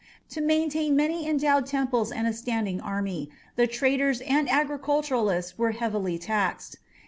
To maintain many endowed temples and a standing army the traders and agriculturists had been heavily taxed.